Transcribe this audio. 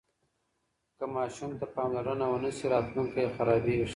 که ماشوم ته پاملرنه ونه سي راتلونکی یې خرابیږي.